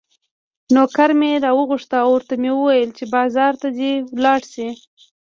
نوکر مې راوغوښت او ورته مې وویل چې بازار ته دې ولاړ شي.